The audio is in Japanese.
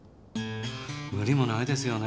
無理もないですよね。